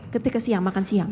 ketika siang makan siang